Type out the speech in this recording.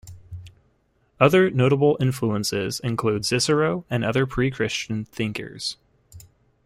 Other notable influences include Cicero and other Pre-Christian thinkers.